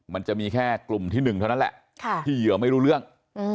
มันจะมีแค่กลุ่มที่๑เท่านั้นแหละที่เหยื่อไม่รู้เรื่อง